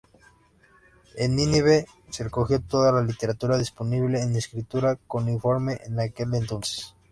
En Nínive se recogió toda la literatura disponible en escritura cuneiforme en aquel entonces.